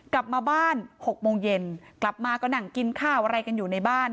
กลับมาบ้าน๖โมงเย็นกลับมาก็นั่งกินข้าวอะไรกันอยู่ในบ้าน